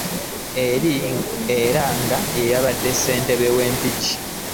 Era nga y'abadde ssentebe wa Mpigi.